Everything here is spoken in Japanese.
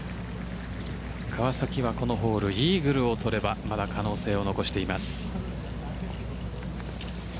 川崎はこのホール、イーグルを取ればまだ可能性を残しています。